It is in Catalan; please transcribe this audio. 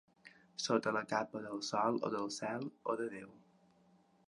Sota la capa del sol o del cel, o de Déu.